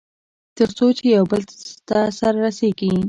تر څو چې يوبل ته سره رسېږي.